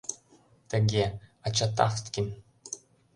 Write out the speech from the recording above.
Тыге: Ачатавткин.